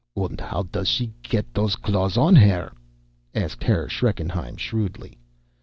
"Und how does she get those claws on her?" asked Herr Schreckenheim shrewdly.